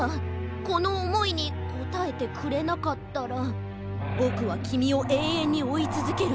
このおもいにこたえてくれなかったらぼくはきみをえいえんにおいつづける。